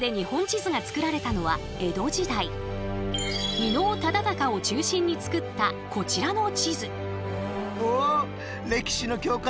伊能忠敬を中心に作ったこちらの地図。